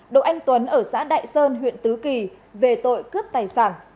đỗ anh tuấn ở xã đại sơn huyện tứ kỳ về tội cướp tài sản